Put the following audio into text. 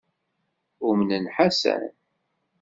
Umnen Ḥasan.